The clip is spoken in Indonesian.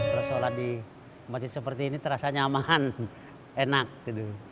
terus sholat di masjid seperti ini terasa nyamanan enak gitu